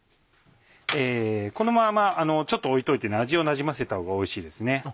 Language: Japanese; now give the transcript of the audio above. このままちょっと置いておいて味をなじませたほうがおいしいですね。